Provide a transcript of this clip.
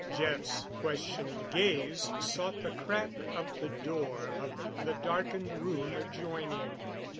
Jeff's questioning gaze sought the crack of the door of the darkened room adjoining.